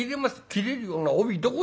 「切れるような帯どこで買った」。